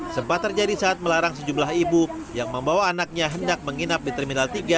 sempat terjadi saat melarang sejumlah ibu yang membawa anaknya hendak menginap di terminal tiga